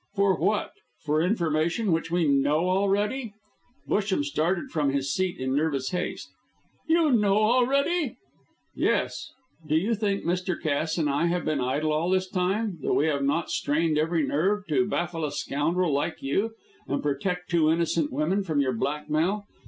"For what? For information which we know already?" Busham started from his seat in nervous haste. "You know already!" "Yes. Do you think Mr. Cass and I have been idle all this time that we have not strained every nerve to baffle a scoundrel like you, and protect two innocent women from your blackmail?